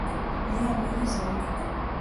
viabilizar